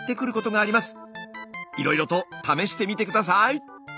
いろいろと試してみて下さい！